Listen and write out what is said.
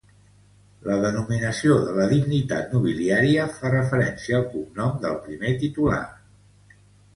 La denominació de la dignitat nobiliària fa referència al cognom del primer titular.